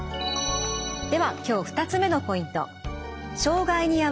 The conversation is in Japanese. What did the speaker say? では今日２つ目のポイント。